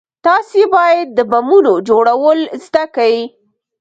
تاسې بايد د بمونو جوړول زده كئ.